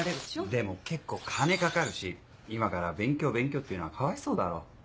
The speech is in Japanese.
でも結構金かかるし今から「勉強勉強」って言うのはかわいそうだろ。